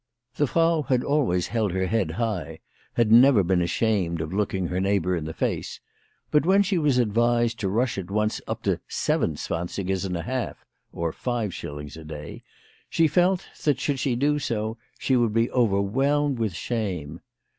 The Frau had always held her head high, had never been ashamed of looking her neighbour in the face, but when she was advised to rush at once up to seven zwansigers and a half (or five shillings a day) , she felt that, should she do so, she would be overwhelmed with shame.